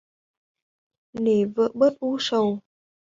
Nể vợ bớt u sầu